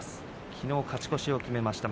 きのう勝ち越しを決めました